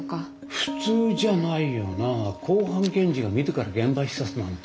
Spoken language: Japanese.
普通じゃないよなあ公判検事が自ら現場視察なんて。